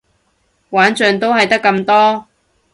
玩盡都係得咁多